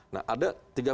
nah ada tiga puluh